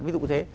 ví dụ thế